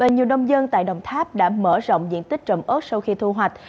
và nhiều nông dân tại đồng tháp đã mở rộng diện tích trồng ớt sau khi thu hoạch